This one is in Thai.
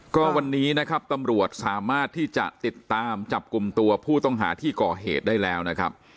ก็วันนี้นะครับตำรวจสามารถที่จะติดตามจับกลุ่มตัวผู้ต้องหาที่ก่อเหตุได้แล้วนะครับ